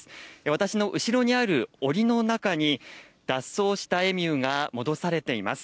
私の後ろにあるおりの中に、脱走したエミューが戻されています。